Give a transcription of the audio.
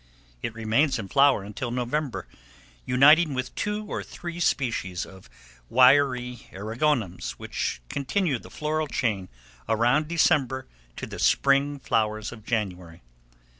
It remains in flower until November, uniting with two or three species of wiry eriogonums, which continue the floral chain around December to the spring flowers of January.